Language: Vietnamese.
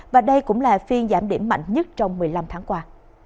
và đây cũng là phiên giảm điểm mạnh nhất trong một mươi năm tháng qua